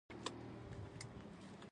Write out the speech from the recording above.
په دې لوست کې د بشري حقونو خبرې کوو.